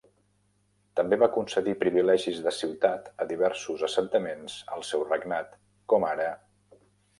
També va concedir privilegis de ciutat a diversos assentaments al seu regnat, "com ara,